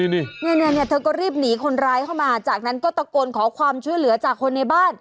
นี่เธอก็รีบหนีคนร้ายเข้ามาจากนั้นก็ตะโกนขอความช่วยเหลือจากคนในบ้าน